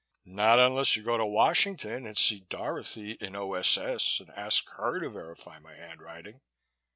"Not unless you go to Washington and see Dorothy in O.S.S. and ask her to verify my handwriting.